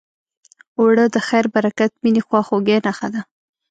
اوړه د خیر، برکت، مینې، خواخوږۍ نښه ده